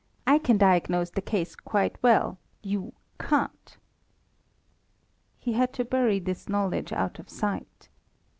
I can diagnose the case quite well; you can't." He had to bury his knowledge out of sight.